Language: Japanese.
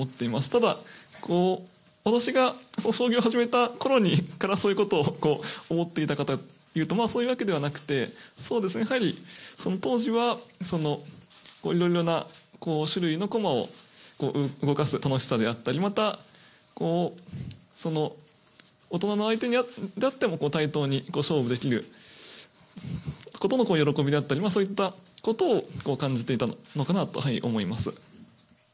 ただ、私が将棋を始めたころからそういうことを思っていたかというと、そういうわけではなくて、そうですね、やはりその当時は、いろいろな種類の駒を動かす楽しさであったり、また大人の相手であっても、対等に勝負できることの喜びだったり、そういったことを感じていたのかなと思います。